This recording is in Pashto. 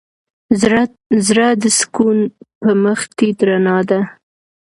زړه د سکون په مخ تيت رڼا ده.